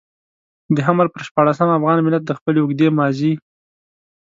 د حمل پر شپاړلسمه افغان ملت د خپلې اوږدې ماضي.